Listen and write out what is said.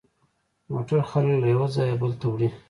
موټر خلک له یوه ځایه بل ته وړي.